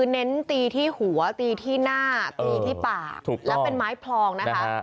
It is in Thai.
หัวตีที่หน้าตีที่ปากถูกต้องแล้วเป็นไม้พรองนะคะ